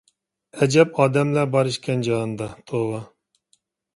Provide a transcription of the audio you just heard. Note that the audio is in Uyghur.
ئەجەب ئادەملەر باركەن جاھاندا، توۋا...